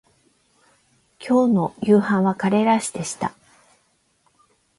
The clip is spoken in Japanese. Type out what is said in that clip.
今日の夕飯はカレーライスでした